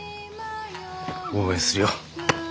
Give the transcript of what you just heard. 応援するよ。